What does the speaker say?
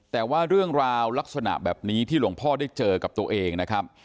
แต่ว่าเรื่องราวลักษณะแบบนี้ที่หลวงพ่อได้เจอกับตัวเองนะครับ